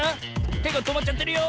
てがとまっちゃってるよ。